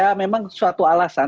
ya memang suatu alasan